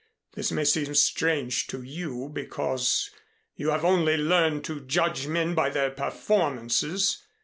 This may seem strange to you because you have only learned to judge men by their performances.